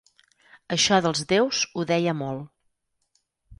Això dels déus ho deia molt.